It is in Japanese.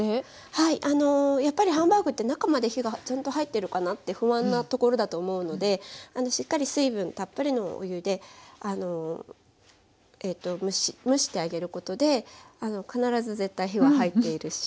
はいあのやっぱりハンバーグって中まで火がちゃんと入ってるかなって不安なところだと思うのでしっかり水分たっぷりのお湯で蒸してあげることで必ず絶対火は入っているし